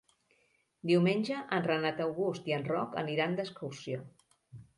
Diumenge en Renat August i en Roc aniran d'excursió.